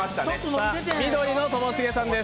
緑のともしげさんです。